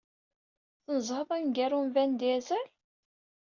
Tnezzheḍ aneggaru n Vin Diesel?